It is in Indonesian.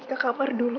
ke kamar dulu